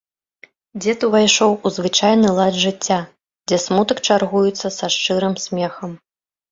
Дзед увайшоў у звычайны лад жыцця, дзе смутак чаргуецца са шчырым смехам.